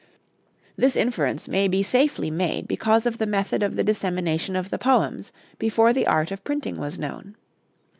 This inference may be safely made because of the method of the dissemination of the poems before the art of printing was known.